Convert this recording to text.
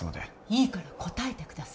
いいから答えてください。